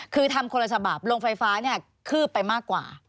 คือทำคนละฉบับโรงไฟฟ้าเนี่ยคืบไปมากกว่า